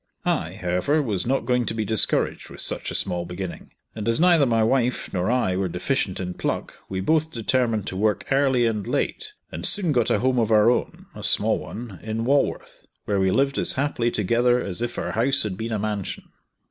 I, however, was not going to be discouraged with such a small beginning, and as neither my wife nor I were deficient in pluck, we both determined to work early and late, and soon got a home of our own a small one in Walworth, where we lived as happily together as if our house had been a mansion.